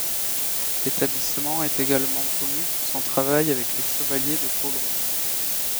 L'établissement est également connu pour son travail avec les Chevaliers de Colomb.